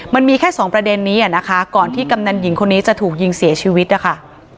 มันมีแค่สองประเด็นนี้นะคะก่อนที่กำนันหญิงคนนี้จะถูกยิงเสียชีวิตนะคะ